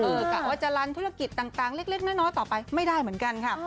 กะว่าจะลันธุรกิจต่างเล็กน้อยต่อไปไม่ได้เหมือนกันค่ะ